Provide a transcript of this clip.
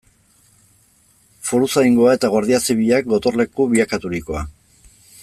Foruzaingoa eta Guardia Zibilak gotorleku bilakaturikoa.